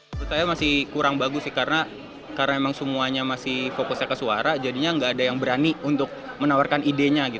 menurut saya masih kurang bagus sih karena memang semuanya masih fokusnya ke suara jadinya nggak ada yang berani untuk menawarkan idenya gitu